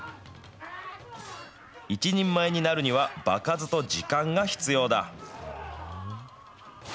一人前になるには、場数と時間が必要だ。